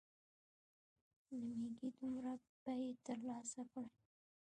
له مېږې دومره پۍ تر لاسه کړې.